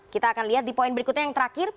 kita akan lihat di poin berikutnya yang terakhir